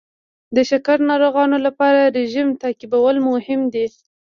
د شکر ناروغانو لپاره رژیم تعقیبول مهم دي.